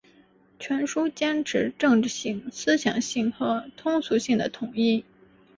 全书坚持政治性、思想性和通俗性的统一